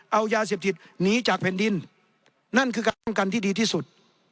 เอายาเสพถิตหนีจากเพ้นดินนั่นคือกันดีที่สุด